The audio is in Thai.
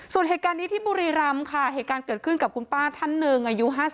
ส่วนเหตุการณ์นี้ที่บุรีรำค่ะเหตุการณ์เกิดขึ้นกับคุณป้าท่านหนึ่งอายุ๕๐